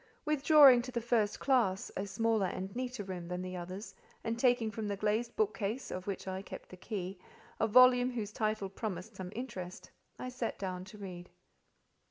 Withdrawing to the first classe, a smaller and neater room than the others, and taking from the glazed bookcase, of which I kept the key, a volume whose title promised some interest, I sat down to read.